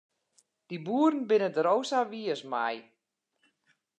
Dy boeren binne der o sa wiis mei.